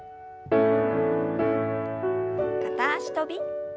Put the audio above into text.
片脚跳び。